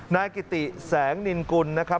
นายกิติแสงนินกุลนะครับ